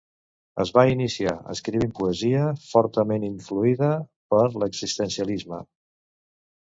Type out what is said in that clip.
Es va iniciar escrivint poesia, fortament influïda per l'existencialisme.